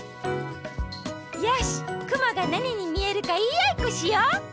よしくもがなににみえるかいいあいっこしよう！